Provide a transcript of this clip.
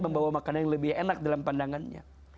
membawa makanan yang lebih enak dalam pandangannya